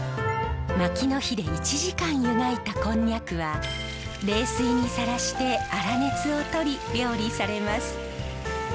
まきの火で１時間湯がいたコンニャクは冷水にさらしてあら熱をとり料理されます。